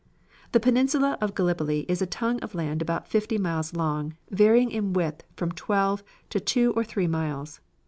The Peninsula of Gallipoli is a tongue of land about fifty miles long, varying in width from twelve to two or three miles.